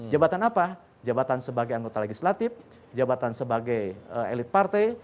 jabatan apa jabatan sebagai anggota legislatif jabatan sebagai elit partai